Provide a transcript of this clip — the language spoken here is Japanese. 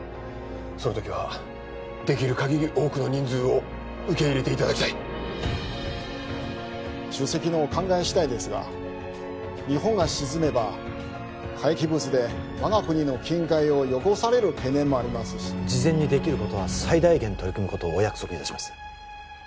その時はできるかぎり多くの人数を受け入れていただきたい主席のお考え次第ですが日本が沈めば廃棄物で我が国の近海を汚される懸念もありますし事前にできることは最大限取り組むことをお約束いたします